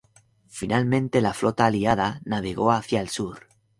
Finalmente la flota aliada navegó hacia el sur.